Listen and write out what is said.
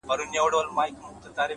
هر منزل له ثبات سره نږدې کېږي؛